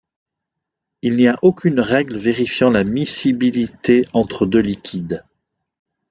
Il n'y a aucune règle vérifiant la miscibilité entre deux liquides.